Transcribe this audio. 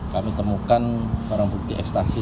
kami temukan barang bukti ekstasi